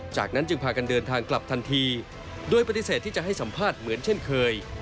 จากนั้นจึงพากันเดินทางกลับทันทีโดยปฏิเสธที่จะให้สัมภาษณ์เหมือนเช่นเคย